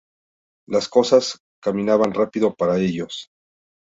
Las cosas caminaban rápido para ellos.